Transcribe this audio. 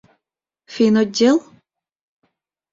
Финотдел?..